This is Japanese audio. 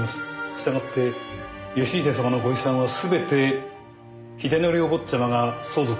したがって義英様のご遺産はすべて英則お坊ちゃまが相続される事になります。